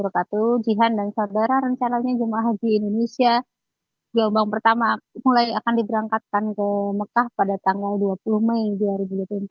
jangan lupa jika anda sudah berjalan dengan lancar jangan lupa diberangkatkan ke mekah pada tanggal dua puluh mei